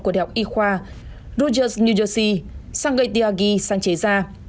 của đại học y khoa rogers new jersey sangai tyagi sáng chế ra